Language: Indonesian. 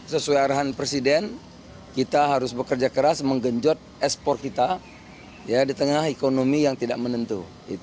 sesuai arahan presiden kita harus bekerja keras menggenjot ekspor kita di tengah ekonomi yang tidak menentu